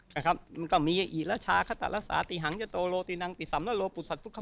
มันก็มีอีละชาขตะละสาติหังยะโตโลตินังติสำนะโลปุสัตว์ทุกข้าว